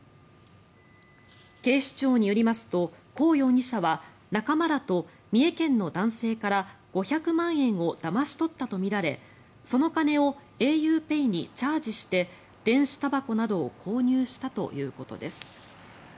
警視庁によりますとコウ容疑者は仲間らと三重県の男性から５００万円をだまし取ったとみられその金をａｕＰＡＹにチャージして電子たばこなどを購入したということです。